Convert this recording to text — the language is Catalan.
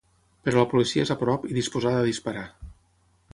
Però la policia és a prop i disposada a disparar.